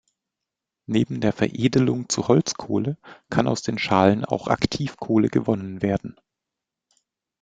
Neben der Veredelung zu Holzkohle kann aus den Schalen auch Aktivkohle gewonnen werden.